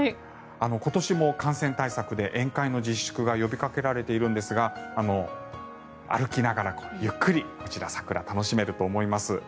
今年も感染対策で宴会の自粛が呼びかけられているんですが歩きながらゆっくりこちら桜を楽しめると思います。